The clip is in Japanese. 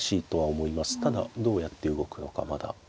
ただどうやって動くのかまだ。